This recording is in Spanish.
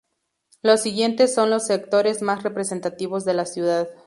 Los siguientes son los sectores más representativos de la ciudad.